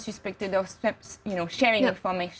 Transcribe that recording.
karena dia terkutuk untuk berbagi informasi